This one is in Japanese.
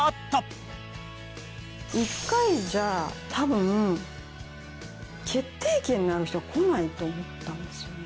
１回じゃ多分決定権のある人が来ないと思ったんですよね。